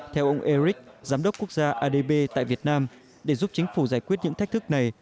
theo ông eric giám đốc quốc gia adb tại việt nam để giúp chính phủ giải quyết những thách thức này